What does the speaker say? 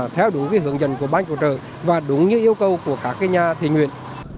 theo đúng hướng dẫn của bán cứu trợ và đúng như yêu cầu của các nhà tình nguyện